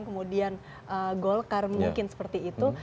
kemudian golkar mungkin seperti itu